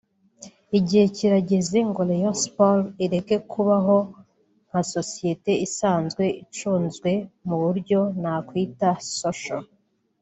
Igihe kirageze ngo Rayon Sports ireke kubaho nka sosiyete isanzwe icunzwe mu buryo nakwita “social”